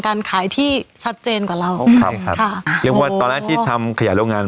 การขายที่ชัดเจนกว่าเราใช่ครับค่ะเรียกว่าตอนแรกที่ทำขยายโรงงาน